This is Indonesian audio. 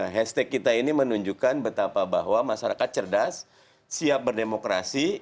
hashtag kita ini menunjukkan betapa bahwa masyarakat cerdas siap berdemokrasi